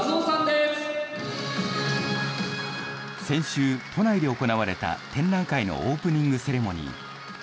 先週、都内で行われた展覧会のオープニングセレモニー。